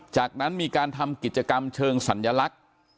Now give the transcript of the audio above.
จากนั้นมีการทำกิจกรรมเชิงสัญลักษณ์